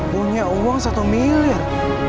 punya uang satu miliar